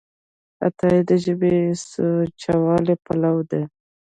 عطایي د ژبې د سوچهوالي پلوی و.